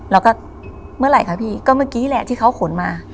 แล้วก็เมื่อไหร่คะพี่ก็เมื่อกี้แหละที่เขาขนมา